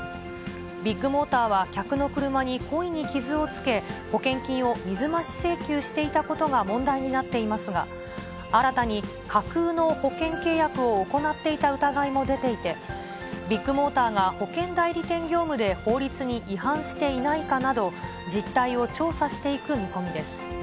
ビッグモーターは、客の車に故意に傷をつけ、保険金を水増し請求していたことが問題になっていますが、新たに架空の保険契約を行っていた疑いも出ていて、ビッグモーターが保険代理店業務で法律に違反していないかなど、実態を調査していく見込みです。